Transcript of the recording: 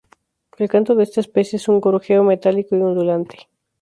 El canto de esta especie es un gorjeo metálico y ondulante.